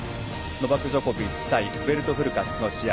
ノバク・ジョコビッチ対フベルト・フルカッチの試合。